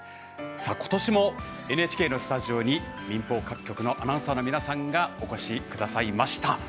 さあ今年もＮＨＫのスタジオに民放各局のアナウンサーの皆さんがお越しくださいました。